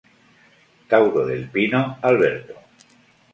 Tauro del Pino, Alberto.